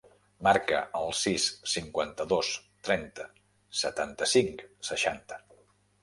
Marca el sis, cinquanta-dos, trenta, setanta-cinc, seixanta.